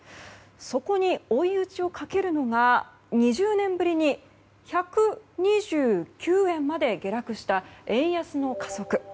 そこに追い打ちをかけるのが２０年ぶりに１２９円まで下落した円安の加速。